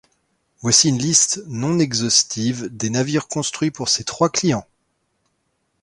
Voici une liste non exhaustive des navires construits pour ces trois clients.